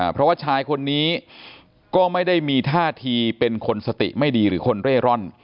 เพราะว่าชายคนนี้ก็ไม่ได้มีท่าทีเป็นคนสติไม่ดีหรือคนเร่ร่อน